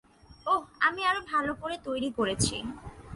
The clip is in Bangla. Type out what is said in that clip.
ওহ, আমি আরো ভালো করে তৈরি করেছি।